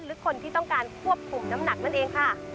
หรือคนที่ต้องการควบคุมน้ำหนักนั่นเองค่ะ